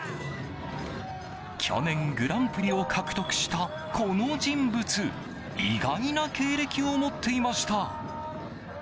去年グランプリを獲得したこの人物意外な経歴を持っていました。